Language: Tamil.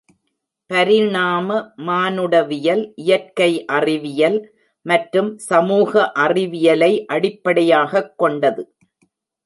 பரிணாம மானுடவியல் இயற்கை அறிவியல் மற்றும் சமூக அறிவியலை அடிப்படையாகக் கொண்டது.